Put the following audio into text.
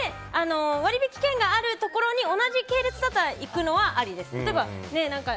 割引券があるところに同じ系列だったら行くのはありですか？